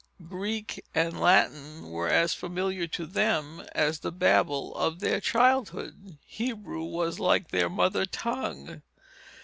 Greek and Latin were as familiar to them as the babble of their childhood. Hebrew was like their mother tongue.